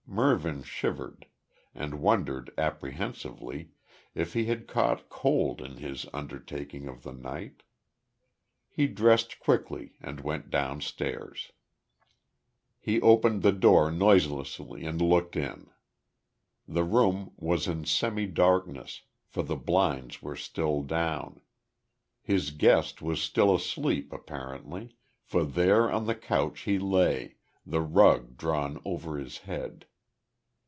Mervyn shivered, and wondered apprehensively if he had caught cold in his undertaking of the night. He dressed quickly and went downstairs. He opened the door noiselessly and looked in. The room was in semi darkness, for the blinds were still down. His guest was still asleep apparently, for there on the couch he lay, the rug drawn over his head.